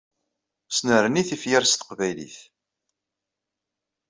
Snerni tifyar s teqbaylit.